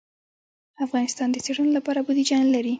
افغانستان د څېړنو لپاره بودیجه نه لري.